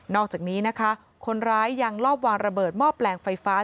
อกจากนี้นะคะคนร้ายยังลอบวางระเบิดหม้อแปลงไฟฟ้า